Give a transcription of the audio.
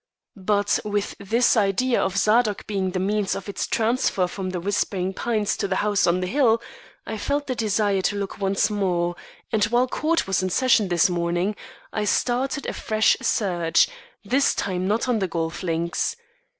"But with this idea of Zadok being the means of its transfer from The Whispering Pines to the house on the Hill, I felt the desire to look once more, and while court was in session this morning, I started a fresh search this time not on the golf links.